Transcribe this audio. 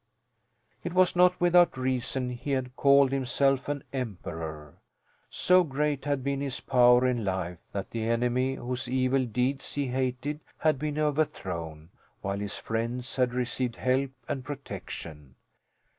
It was not without reason he had called himself an emperor. So great had been his power in life that the enemy whose evil deeds he hated had been overthrown, while his friends had received help and protection.